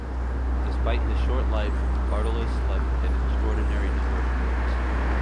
Despite his short life, Bartolus left an extraordinary number of works.